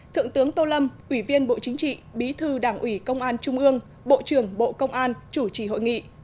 thượng tướng tô lâm ủy viên bộ chính trị bí thư đảng ủy công an trung ương bộ trưởng bộ công an chủ trì hội nghị